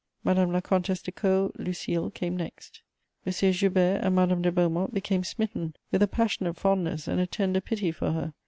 Madame la Comtess de Caud, Lucile, came next. M. Joubert and Madame de Beaumont became smitten with a passionate fondness and a tender pity for her.